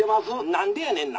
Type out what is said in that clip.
「何でやねんな。